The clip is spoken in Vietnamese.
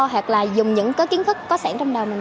hoặc là dùng những cái kiến thức có sẵn trong đầu